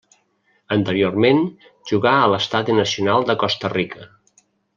Anteriorment jugà a l'Estadi Nacional de Costa Rica.